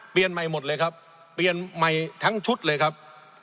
เปลี่ยนใหม่หมดเลยครับเปลี่ยนใหม่ทั้งชุดเลยครับ